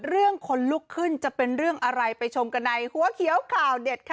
คนลุกขึ้นจะเป็นเรื่องอะไรไปชมกันในหัวเขียวข่าวเด็ดค่ะ